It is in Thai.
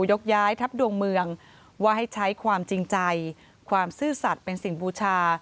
ยกย้ายทัพดวงเมืองว่าให้ใช้ความจริงใจความซื่อสัตว์เป็นสิ่งบูชา